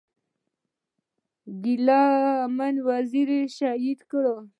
ګيله من وزير یې شهید کړ.